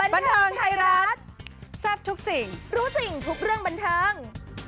บันเทิงไทยรัฐแซ่บทุกสิ่งรู้สิ่งทุกเรื่องบันเทิง